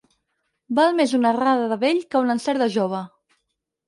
Val més una errada de vell que un encert de jove.